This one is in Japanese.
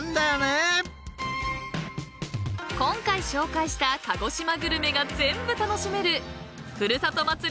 ［今回紹介した鹿児島グルメが全部楽しめるふるさと祭り